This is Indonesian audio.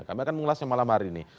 kami akan mengulasnya malam hari ini